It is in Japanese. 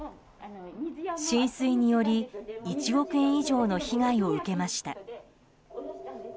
浸水により１億円以上の被害を受けました。